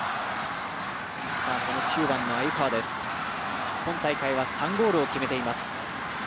９番の鮎川、今大会は３ゴールを決めています。